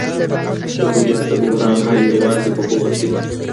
د هویت د بحران حل یوازې په پوهه کي دی.